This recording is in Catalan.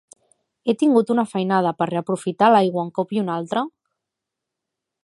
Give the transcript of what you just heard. He tingut una feinada per reaprofitar l'aigua un cop i un altre.